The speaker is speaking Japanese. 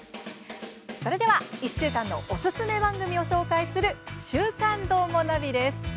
それでは１週間のおすすめ番組を紹介する「週刊どーもナビ」です。